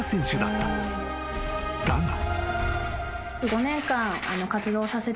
［だが］